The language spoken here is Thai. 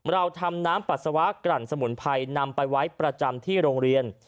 เราทำน้ำปัสสาวะกลั่นสมุนไพรนำไปไว้ประจำที่โรงเรียน